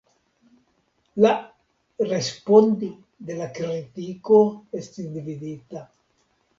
La respondi de la kritiko estis dividita.